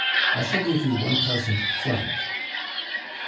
I shall gif you one tousant franc."